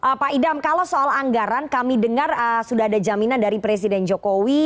oke pak idam kalau soal anggaran kami dengar sudah ada jaminan dari presiden jokowi